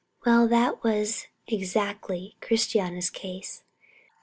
Well, that was exactly Christiana's case.